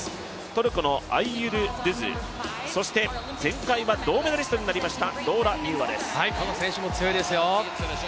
トルコのアイユルドゥズ、そして前回は銅メダリストになりましたローラ・ミューアです。